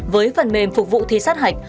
với phần mềm phục vụ thi sát hạch